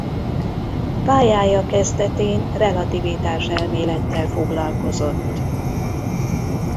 Pályája kezdetén relativitáselmélettel foglalkozott.